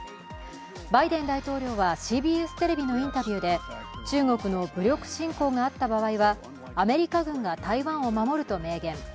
バイデン大統領はＣＢＳテレビのインタビューで中国の武力侵攻があった場合はアメリカ軍が台湾を守ると明言。